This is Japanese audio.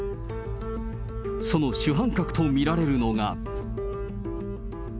その主犯格と見られるのが。